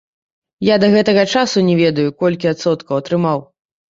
Я да гэтага часу не ведаю, колькі адсоткаў атрымаў.